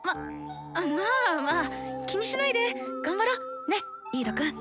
ままあまあ気にしないで頑張ろねリードくん。